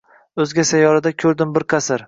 o‘zga sayyorada ko‘rdim bir qasr